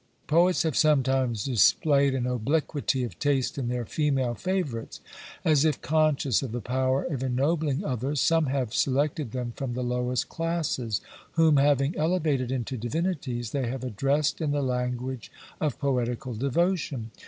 Poets have sometimes displayed an obliquity of taste in their female favourites. As if conscious of the power of ennobling others, some have selected them from the lowest classes, whom, having elevated into divinities, they have addressed in the language of poetical devotion.